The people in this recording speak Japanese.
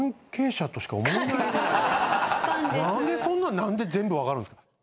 何でそんな何で全部分かるんですか？